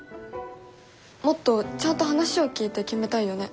もっとちゃんと話を聞いて決めたいよね。